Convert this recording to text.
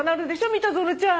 三田園ちゃん。